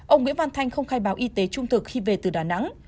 ông nguyễn văn thanh không khai báo y tế trung thực khi về từ đà nẵng